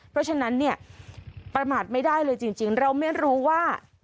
เพราะฉะนั้นเนี่ยประมาทไม่ได้เลยจริงเราไม่รู้ว่า